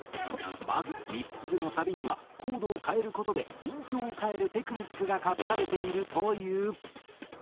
まずミスチルのサビにはコードを変える事で印象を変えるテクニックが隠されているという。